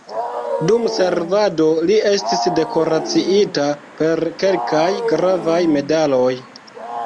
Dum servado li estis dekoraciita per kelkaj gravaj medaloj.